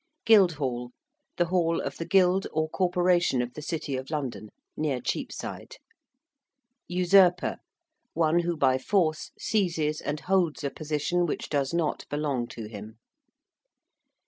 ~Guildhall~: the hall of the Guild or Corporation of the City of London, near Cheapside. ~usurper~: one who by force seizes and holds a position which does not belong to him.